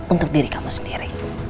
untuk diri kamu sendiri